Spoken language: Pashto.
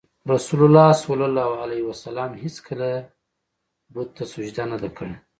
رسول الله ﷺ هېڅکله یې بت ته سجده نه ده کړې.